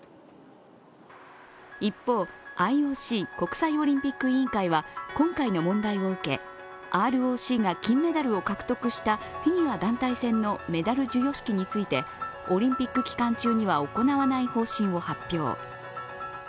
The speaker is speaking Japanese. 一方、ＩＯＣ＝国際オリンピック委員会は今回の問題を受けＲＯＣが金メダルを獲得したフィギュア団体戦のメダル授与式についてオリンピック期間中には行わない方針を発表。